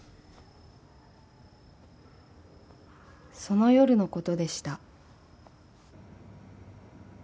［その夜のことでした］